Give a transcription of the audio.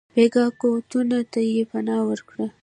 بېګانه قوتونو ته یې پناه وړې.